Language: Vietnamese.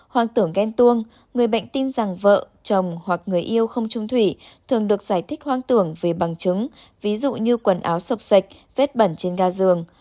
hoang tưởng ghen tuông người bệnh tin rằng vợ chồng hoặc người yêu không trung thủy thường được giải thích hoang tưởng vì bằng chứng ví dụ như quần áo sập sạch vết bẩn trên đa giường